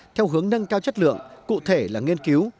theo hướng nâng cao chất lượng cụ thể là nghiên cứu